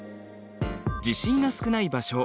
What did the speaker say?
地震が少ない場所